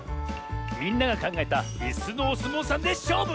みんながかんがえたいすのおすもうさんでしょうぶ！